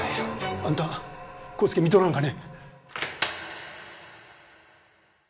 あんた康介見とらんかね？